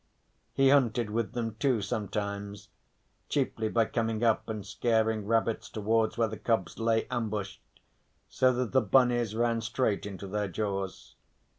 He hunted with them too sometimes, chiefly by coming up and scaring rabbits towards where the cubs lay ambushed, so that the bunnies ran straight into their jaws.